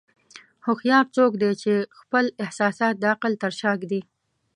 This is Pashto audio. هوښیار څوک دی چې خپل احساسات د عقل تر شا ږدي.